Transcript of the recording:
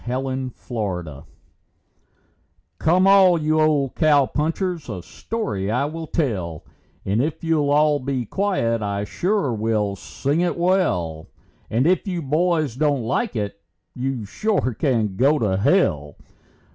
A MAN NAMED HODS Come, all you old cowpunchers, a story I will tell, And if you'll all be quiet, I sure will sing it well; And if you boys don't like it, you sure can go to hell.